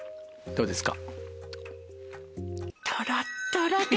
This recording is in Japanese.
どうですか？